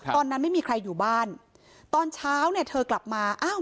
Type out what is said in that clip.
ตอนนั้นไม่มีใครอยู่บ้านตอนเช้าเนี่ยเธอกลับมาอ้าว